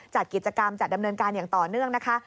จัดกิจกรรมจัดดำเนินการอย่างต่อเนื่องนะคะ